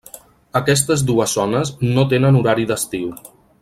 Aquestes dues zones no tenen horari d'estiu.